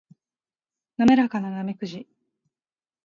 滑らかなナメクジ